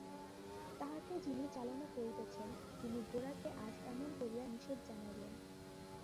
তাহাকে যিনি চালনা করিতেছেন তিনি গোরাকে আজ এমনি করিয়া নিষেধ জানাইলেন।